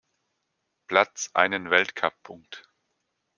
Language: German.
Platz einen Weltcup-Punkt.